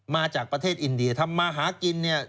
มาจากประเทศอินเดียทำมาหากินเนี่ย